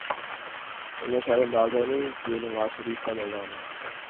انہیں شاید اندازہ نہیں یہ نواز شریف کا میدان ہے۔